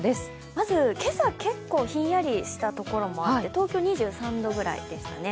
まず今朝、結構ひんやりしたところもあって、東京２３度ぐらいでしたね。